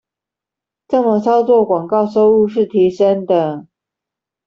這麼操作廣告收入是提升的